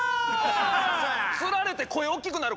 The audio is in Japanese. つられて声大きくなる！